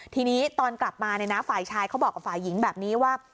ทีนี้ตอนกลับมาฝ่ายชายเขาบอกกับฝ่ายหญิงแบบนี้ว่า